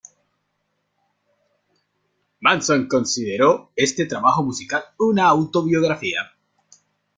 Manson consideró este trabajo musical una "autobiografía".